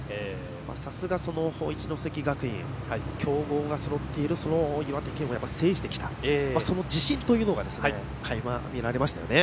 さすが、一関学院強豪がそろっている岩手県を制してきた、その自信というのがかいま見られましたよね。